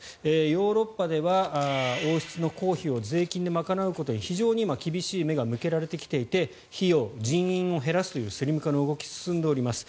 ヨーロッパでは王室の公費を税金で賄うことに非常に今、厳しい目が向けられてきていて費用、人員を減らすというスリム化の動きが進んでおります。